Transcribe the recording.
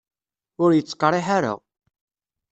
Ur yettqerriḥ ara.